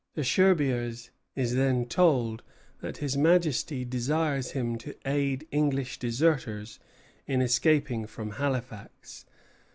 Desherbiers is then told that His Majesty desires him to aid English deserters in escaping from Halifax.